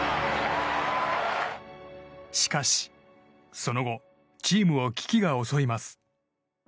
しかし、その後チームを危機が襲います。